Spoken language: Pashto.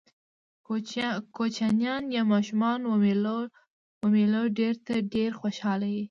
کوچنيان يا ماشومان و مېلو ډېر ته ډېر خوشحاله يي.